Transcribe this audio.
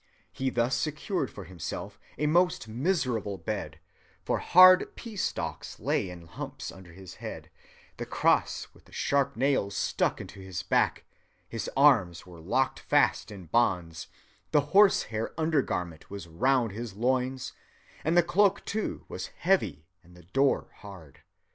He thus secured for himself a most miserable bed; for hard pea‐stalks lay in humps under his head, the cross with the sharp nails stuck into his back, his arms were locked fast in bonds, the horsehair undergarment was round his loins, and the cloak too was heavy and the door hard.